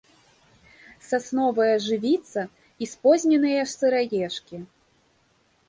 Сасновая жывіца і спозненыя сыраежкі.